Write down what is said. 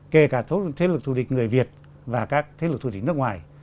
kể cả thế lực thù địch người việt và các thế lực thù địch nước ngoài